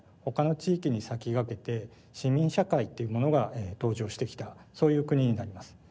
他の地域に先駆けて市民社会っていうものが登場してきたそういう国になります。